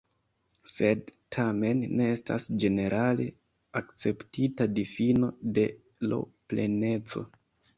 Sed tamen ne estas ĝenerale akceptita difino de L-pleneco.